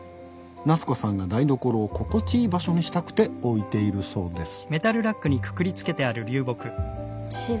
なつこさんが台所を心地いい場所にしたくて置いているそうです。